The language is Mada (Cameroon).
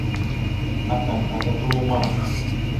Aɗak aka kəla uma.